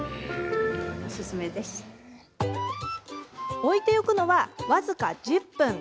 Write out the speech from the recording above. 置いておくのは、僅か１０分。